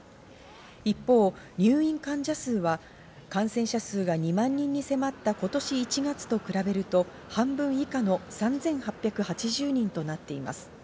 一方、入院患者数は感染者数が２万人に迫った今年１月と比べると半分以下の３８８０人となっています。